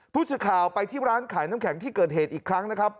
ผู้สื่อข่าวไปที่ร้านขายน้ำแข็งที่เกิดเหตุอีกครั้งนะครับ